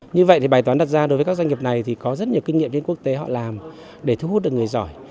như vậy thì bài toán đặt ra đối với các doanh nghiệp này thì có rất nhiều kinh nghiệm trên quốc tế họ làm để thu hút được người giỏi